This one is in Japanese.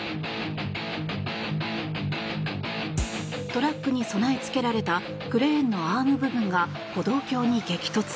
トラックに備え付けられたクレーンのアーム部分が歩道橋に激突。